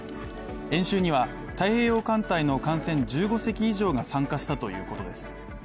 演習には、太平洋艦隊の艦船１５隻以上が参加したということです。